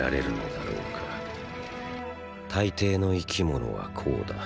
大抵の生き物はこうだ。